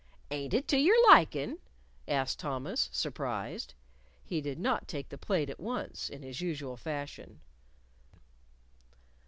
"Ain't it to your likin'?" asked Thomas, surprised. He did not take the plate at once, in his usual fashion.